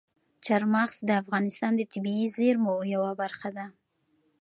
چار مغز د افغانستان د طبیعي زیرمو یوه برخه ده.